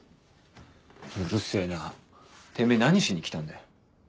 うるせぇなてめぇ何しに来たんだよ。